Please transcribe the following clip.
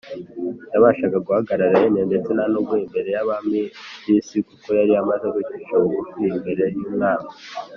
. Yabashaga guhagarara yemye ndetse nta bwoba imbere y’abami b’isi, kuko yari amaze kwicisha bugufi imbere y’Umwami